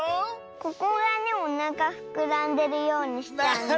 ここがねおなかふくらんでるようにしたんだ。